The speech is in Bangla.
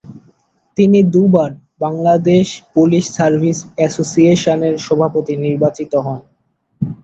তিনি দু’বার বাংলাদেশ পুলিশ সার্ভিস অ্যাসোসিয়েশনের সভাপতি নির্বাচিত হন।